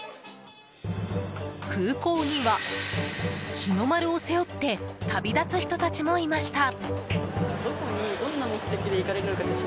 空港には、日の丸を背負って旅立つ人たちもいました。